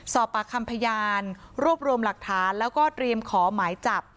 สอบปากคำพยานรวบรวมหลักฐานแล้วก็เตรียมขอหมายจับ